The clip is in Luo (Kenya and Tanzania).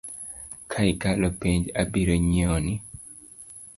Ka ikalo penj abiro nyiewoni .